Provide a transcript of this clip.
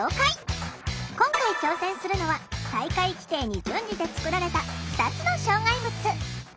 今回挑戦するのは大会規定に準じて作られた２つの障害物。